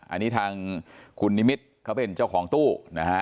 อันนี้ทางคุณนิมิตรเขาเป็นเจ้าของตู้นะฮะ